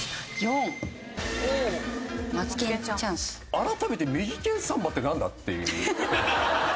改めて右ケンサンバってなんだ？っていう。